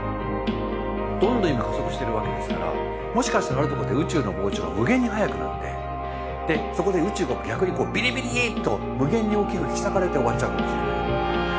どんどん今加速してるわけですからもしかしたらあるところで宇宙の膨張が無限に速くなってでそこで宇宙が逆にビリビリーッと無限に大きく引き裂かれて終わっちゃうかもしれない。